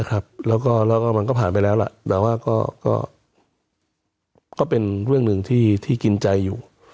แล้วก็มันก็ผ่านไปแล้วล่ะแต่ว่าก็เป็นเรื่องหนึ่งที่กินใจอยู่